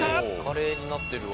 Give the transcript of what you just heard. カレーになってるわ。